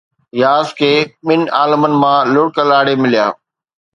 ياس کي ٻن عالمن مان لڙڪ لاڙي مليا